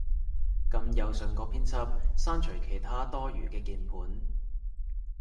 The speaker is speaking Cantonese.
撳右上角編輯，刪除其它多餘嘅鍵盤